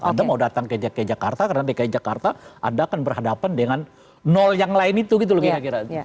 anda mau datang ke jakarta karena dki jakarta anda akan berhadapan dengan nol yang lain itu gitu loh kira kira